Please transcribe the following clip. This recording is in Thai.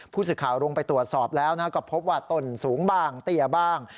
ผู้สื่อข่าวลงไปตรวจสอบแล้วก็พบว่าต้นสูงบ้างเตี้ยบ้าง